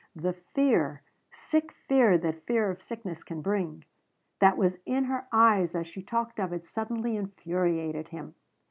The fear sick fear that fear of sickness can bring that was in her eyes as she talked of it suddenly infuriated him.